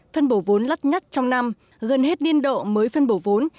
phân bổ vốn lắt nhắt trong năm gần hết niên độ mới phân bổ vốn